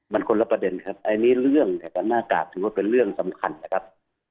มันคนละประเด็นครับอันนี้เรื่องเนี่ยกับหน้ากากถือว่าเป็นเรื่องสำคัญนะครับ